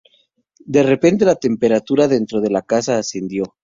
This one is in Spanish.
De repente la temperatura dentro de la casa ascendió.